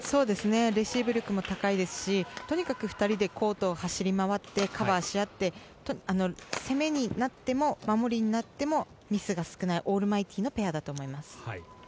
レシーブ力も高いですし２人でコートを走り回ってカバーし合って攻めになっても守りになってもミスが少なくてオールマイティーなペアだと思います。